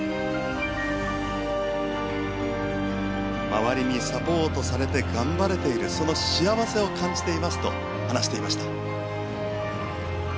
周りにサポートされて頑張れているその幸せを感じていますと話していました。